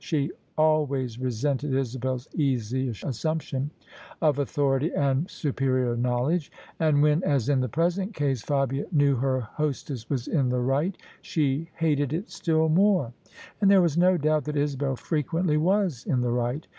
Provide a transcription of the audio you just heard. She al ways resented Isabel's easy assumption of authority and supe rior knowledge; and when, as in the present case, Fabia knew her hostess was in the right, she hated it still more. And there was no doubt that Isabel frequently was in the right.